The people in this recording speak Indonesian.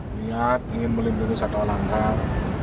niat ingin melindungi satu orang lain